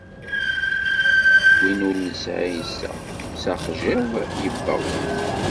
Win ur nesɛi iseɣ, s axjiḍ yebbeɣ.